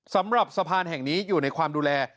สำหรับสะพานแห่งนี้อยู่ในความดูแล